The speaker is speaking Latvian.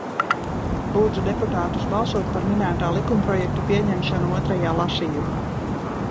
Lūdzu deputātus balsot par minētā likumprojekta pieņemšanu otrajā lasījumā!